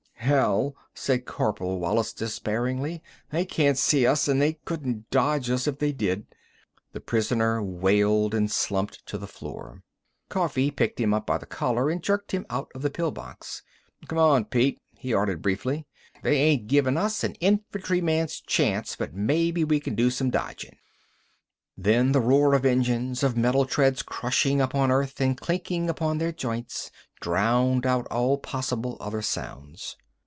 "Hell," said Corporal Wallis dispairingly. "They can't see us, an' they couldn't dodge us if they did!" The prisoner wailed, and slumped to the floor. Coffee picked him up by the collar and jerked him out of the pill box. "C'mon Pete," he ordered briefly. "They ain't givin' us a infantryman's chance, but maybe we can do some dodgin'!" Then the roar of engines, of metal treads crushing upon earth and clinking upon their joints, drowned out all possible other sounds.